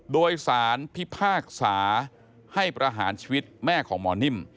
โดยสารพิพากษาให้ประหารชีวิตแม่ของหมอนิ่ม